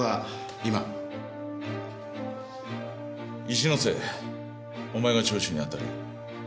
一ノ瀬お前が聴取にあたれ。